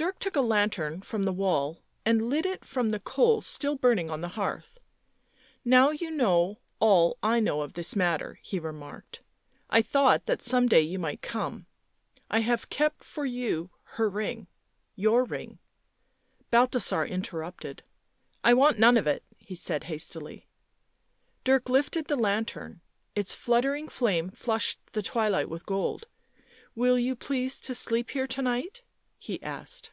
Dirk took a lantern from the wall and lit it from the coals still burning on the hearth. "Now you know all I know of this matter," he remarked. " I thought that some day you might come. I have kept for you her ring — your ring " Balthasar interrupted. " I want none of it," he said hastily. Dirk lifted the lantern ; its fluttering flame flushed the twilight with gold. " Will you please to sleep here to night?" he asked.